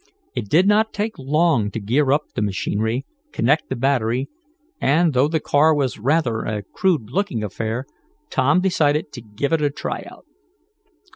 It did not take long to gear up the machinery, connect the battery and, though the car was rather a crude looking affair, Tom decided to give it a tryout.